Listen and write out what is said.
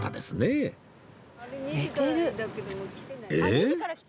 えっ？